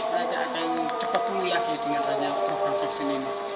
mereka akan cepat pulih lagi dengan adanya program vaksin ini